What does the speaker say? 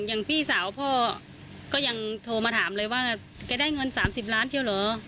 แล้วเขาก็ไม่รู้ว่าแม่เอาออกเป็นว่านี้